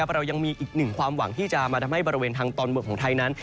เรายังมีอีกหนึ่งความหวังที่จะมาทำให้บริเวณทางตอนบนของไทยนั้น